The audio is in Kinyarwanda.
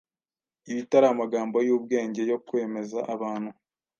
ibitari amagambo y’ubwenge yo kwemeza abantu,